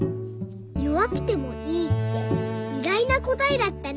「よわくてもいい」っていがいなこたえだったね。